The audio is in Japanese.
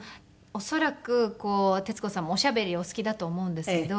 恐らく徹子さんもおしゃべりお好きだと思うんですけど。